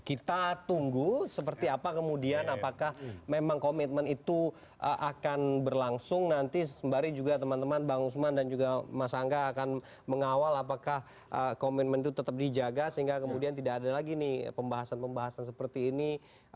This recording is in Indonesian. kita tunggu seperti apa kemudian apakah memang komitmen itu akan berlangsung nanti sembari juga teman teman bang usman dan juga mas angga akan mengawal apakah komitmen itu tetap dijaga sehingga kemudian tidak ada lagi nih pembahasan pembahasan seperti ini